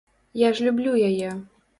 Я ж люблю яе.